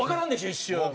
一瞬。